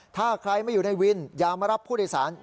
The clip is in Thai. ถ้าใครไม่อยู่ในวินอย่ามารับผู้โดยสาร